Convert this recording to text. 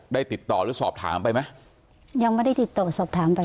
ติดต่อหรือสอบถามไปไหมยังไม่ได้ติดต่อสอบถามไป